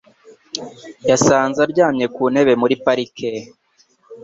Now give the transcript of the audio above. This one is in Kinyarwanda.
Yasanze aryamye ku ntebe muri parike.